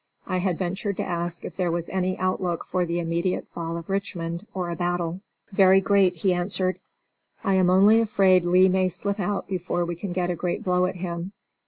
I had ventured to ask if there was any outlook for the immediate fall of Richmond or a battle. "Very great," he answered. "I am only afraid Lee may slip out before we can get a great blow at him.